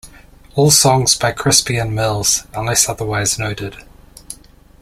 All songs by Crispian Mills, unless otherwise noted.